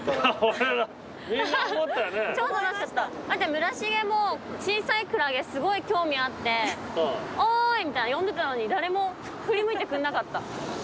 村重も小さいクラゲすごい興味あって「おーい！」みたいに呼んでたのに誰も振り向いてくんなかった。